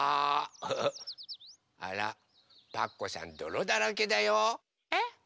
あらパクこさんどろだらけだよ。えっ？